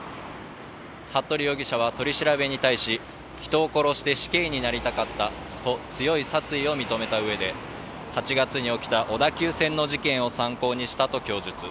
服部容疑者は取り調べに対し人を殺して死刑になりたかったと強い殺意を認めたうえで８月に起きた小田急線の事件を参考にしたと供述。